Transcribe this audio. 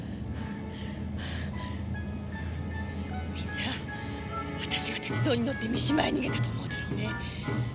みんな私が鉄道に乗って三島へ逃げたと思うだろうね。